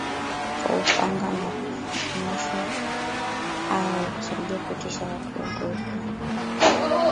kwa upanga Maonyesho hayo yalikusudiwa kutisha watu waogope